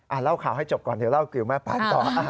เล่าข่าวให้จบก่อนเดี๋ยวเล่ากิวแม่ปานต่อ